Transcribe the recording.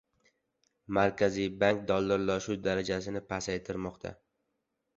Markaziy bank «dollarlashuv» darajasini pasaytirmoqda